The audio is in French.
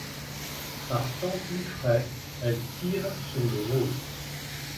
Par temps plus frais, elles tirent sur le rose.